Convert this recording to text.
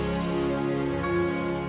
sampai jumpa lagi